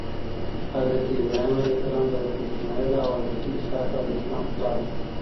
حضرت ابراهيم عليه السلام د حضرت اسماعيل او حضرت اسحاق عليه السلام پلار وو